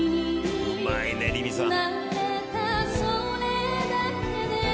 うまいねりみさん。